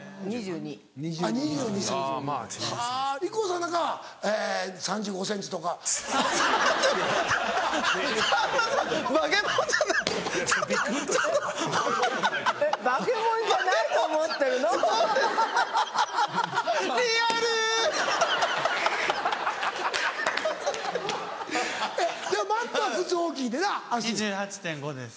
２８．５ｃｍです。